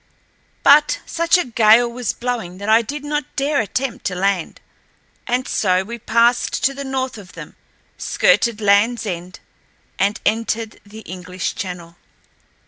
But such a gale was blowing that I did not dare attempt to land, and so we passed to the north of them, skirted Landl's End, and entered the English Channel.